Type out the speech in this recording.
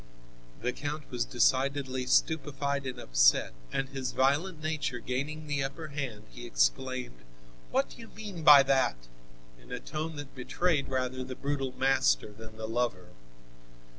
The count was decidedly stupefied and upset, and, his violent nature gaining the upper hand, he exclaimed: "What do you mean by that?" in a tone that betrayed rather the brutal master than the lover.